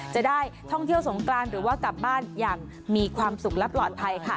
จะได้ท่องเที่ยวสงกรานหรือว่ากลับบ้านอย่างมีความสุขและปลอดภัยค่ะ